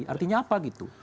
artinya apa gitu